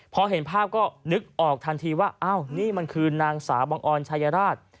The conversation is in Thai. พอเห็นภาพก็นึกออกทันทีว่าอ้าวนี่มันคือนางสาวบังออนชายราช